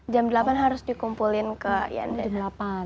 jam delapan harus dikumpulin ke yanda